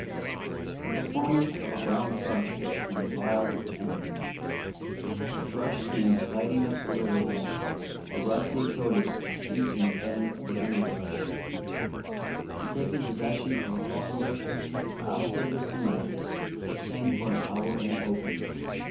The performance of a brown thrush drove him wild with envy. The thrush came gliding up the river bank, a rusty coated, sneaking thing of the underbrush, and taking possession of a thorn bush just opposite the sumac, he sang for an hour in the open.